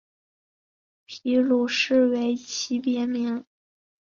皮鲁士为其别名。